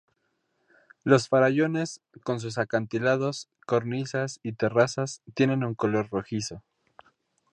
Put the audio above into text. Los Farallones, con sus acantilados, cornisas y terrazas, tienen un color rojizo.